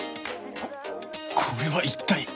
こここれは一体